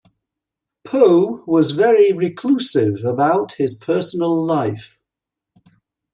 Poe was very reclusive about his personal life.